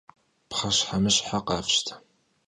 Pxheşhemışhe khafşte!